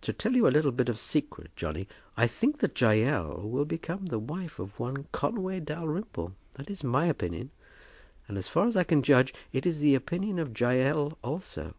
To tell you a little bit of secret, Johnny, I think that Jael will become the wife of one Conway Dalrymple. That is my opinion; and as far as I can judge, it is the opinion of Jael also."